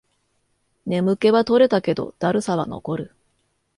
眠気は取れたけど、だるさは残る